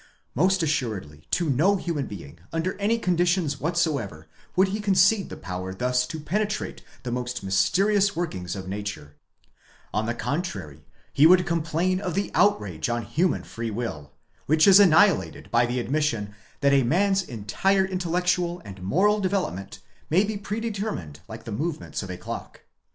Most assuredly to no human being, under any conditions whatsoever, would he concede the power thus to penetrate the most mysterious workings of nature ; on the contrary he would complain of the outrage on human free will, which is annihilated by the admission that a man's entire intellectual and moral development may be predetermined like the movements of a clock.